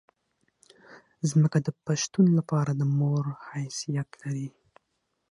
ځمکه د پښتون لپاره د مور حیثیت لري.